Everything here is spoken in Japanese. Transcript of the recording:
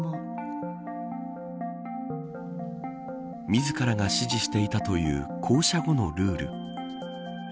自らが指示していたという降車後のルール。